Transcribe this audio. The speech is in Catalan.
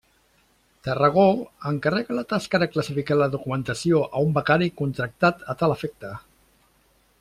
Tarragó, encarrega la tasca de classificar la documentació a un becari contractat a tal efecte.